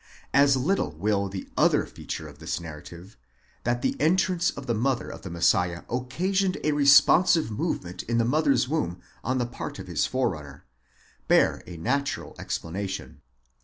As little will the other feature of this narrative—that the entrance of the mother of the Messiah occasioned a responsive movement in his mother's womb on the part of his forerunner—bear a natural explanation.